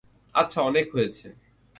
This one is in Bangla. আচ্ছা, অনেক হয়েছে!